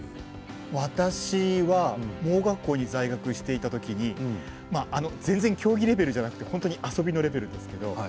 私は盲学校に在学していたときぜんぜん競技レベルじゃなくて本当に遊びのレベルですけど。